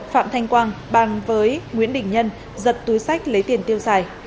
phạm thanh quang bàn với nguyễn đình nhân giật túi sách lấy tiền tiêu xài